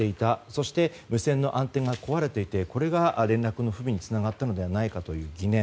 そして、無線のアンテナが壊れていてこれが、連絡の不備につながったのではないかという疑念。